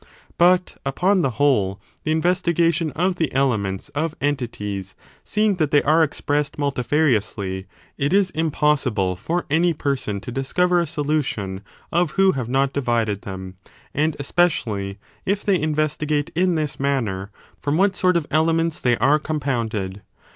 But, upon the whole, the investigation of the elements of entities, seeing that they are expressed multifariously, it is impossible for any persons to discover a solution of who have not divided them; and, especially, if they investigate in this manner from what sort of elements they are compounded.